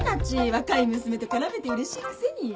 若い娘と絡めてうれしいくせに。